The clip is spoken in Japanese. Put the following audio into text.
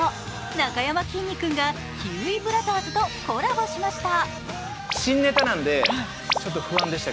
なかやまきんに君がキウイブラザーズとコラボしました。